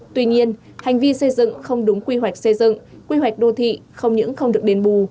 tuy nhiên hành vi xây dựng không đúng quy hoạch xây dựng quy hoạch đô thị không những không được đền bù